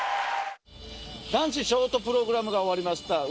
男子ショートプログラムが終わりました。